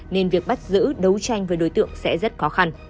nên việc bắt giữ đấu tranh với đối tượng sẽ rất khó khăn